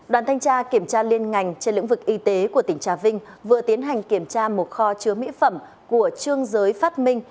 đoàn thanh tra kiểm tra liên ngành trên lĩnh vực y tế của tỉnh trà vinh vừa tiến hành kiểm tra một kho chứa mỹ phẩm của trương giới phát minh